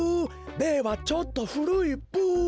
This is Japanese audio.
べはちょっとふるいブ。